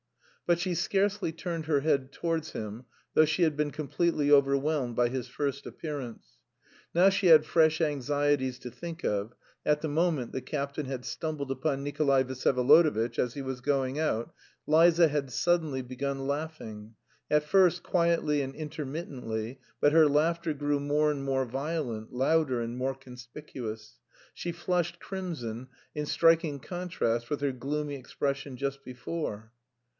But she scarcely turned her head towards him, though she had been completely overwhelmed by his first appearance. Now she had fresh anxieties to think of; at the moment the captain had stumbled upon Nikolay Vsyevolodovitch as he was going out, Liza had suddenly begun laughing at first quietly and intermittently, but her laughter grew more and more violent, louder and more conspicuous. She flushed crimson, in striking contrast with her gloomy expression just before.